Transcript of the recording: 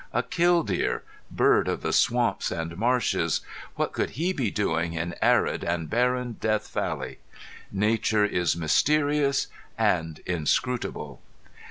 A killdeer bird of the swamps and marshes what could he be doing in arid and barren Death Valley? Nature is mysterious and inscrutable.